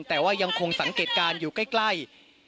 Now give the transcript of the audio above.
แต่ว่ายังคงสังเกตการณ์อยู่ใกล้